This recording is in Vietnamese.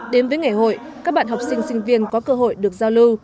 đến với ngày hội các bạn học sinh sinh viên có cơ hội được giao lưu